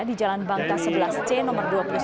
di jalan bangka sebelas c nomor dua puluh satu